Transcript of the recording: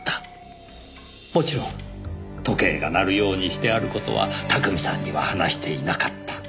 もちろん時計が鳴るようにしてある事は巧さんには話していなかった。